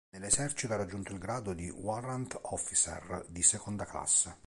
Nell'esercito ha raggiunto il grado di Warrant Officer di seconda classe.